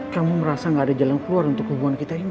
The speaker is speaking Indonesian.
kamu merasa gak ada jalan keluar untuk hubungan kita ini